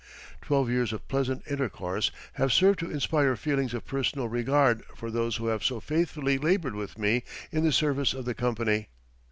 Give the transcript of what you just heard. Twelve years of pleasant intercourse have served to inspire feelings of personal regard for those who have so faithfully labored with me in the service of the Company.